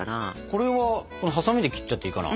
これはハサミで切っちゃっていいかな？